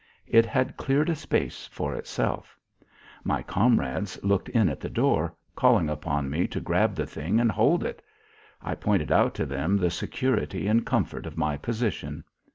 It had cleared a space for itself. My comrades looked in at the door, calling upon me to grab the thing and hold it. I pointed out to them the security and comfort of my position.